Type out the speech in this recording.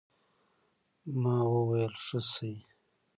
ما وويل ښه شى.